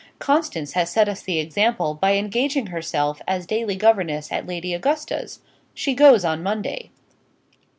Constance has set us the example, by engaging herself as daily governess at Lady Augusta's. She goes on Monday."